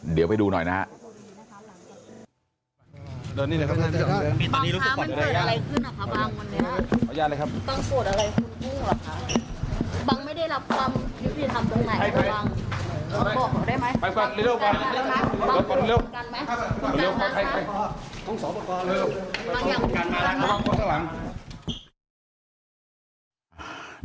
เดี๋ยวไปดูหน่อยนะฮะ